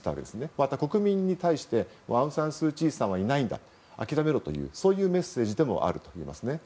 また、国民に対してアウン・サン・スー・チーさんはいないんだ、諦めろというメッセージでもあると思います。